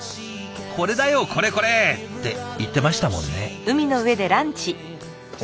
「これだよこれこれ」って言ってましたもんね。